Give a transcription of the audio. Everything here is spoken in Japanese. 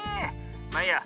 まあいいや。